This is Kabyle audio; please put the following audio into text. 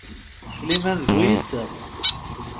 Sliman, d bu iseɣ.